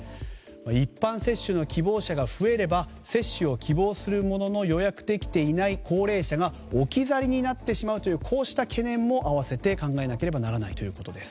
一般接種の希望者が増えれば接種を希望するものの予約できていない高齢者が置き去りになってしまうというこうした懸念も合わせて考えなければならないということです。